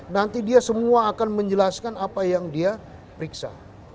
nanti dia semua akan menjelaskan apa yang dia periksa